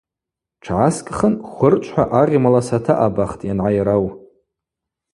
Тшгӏаскӏхын хвырчвхӏва агъьмала сатаъабахтӏ йангӏайрау.